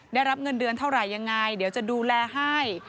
ได้รับเงินเดือนเท่าไหร่ยังไงเดี๋ยวจะดูแลให้